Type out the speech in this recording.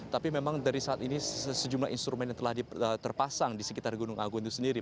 tapi memang dari saat ini sejumlah instrumen yang telah terpasang di sekitar gunung agung itu sendiri